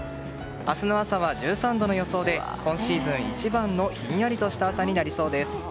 明日の朝は１３度の予想で今シーズン一番のひんやりとした朝になりそうです。